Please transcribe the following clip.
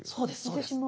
私も。